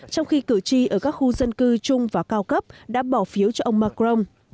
trong khi cử tri ở các khu dân cư trung và cao cấp đã bỏ phiếu cho ông macron